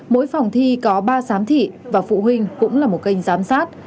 mỗi phòng thi có ba giám thị và phụ huynh cũng là một kênh giám sát